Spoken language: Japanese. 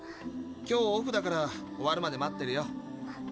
今日オフだから終わるまで待ってるよ。